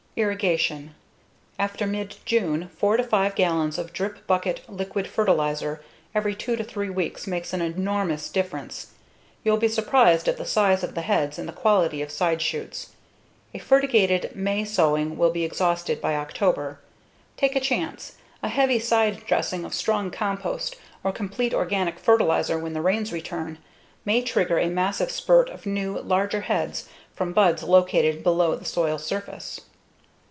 Irrigation: After mid June, 4 to 5 gallons of drip bucket liquid fertilizer every two to three weeks makes an enormous difference. You'll be surprised at the size of the heads and the quality of side shoots. A fertigated May sowing will be exhausted by October. Take a chance: a heavy side dressing of strong compost or complete organic fertilizer when the rains return may trigger a massive spurt of new, larger heads from buds located below the soil's surface.